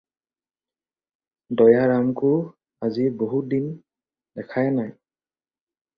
দয়াৰামকো আজি বহুত দিন দেখাই নাই।